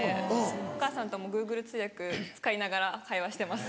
お母さんともＧｏｏｇｌｅ通訳使いながら会話してます。